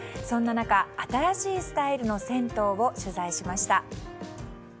そんな中、新しいスタイルの銭湯を取材しました。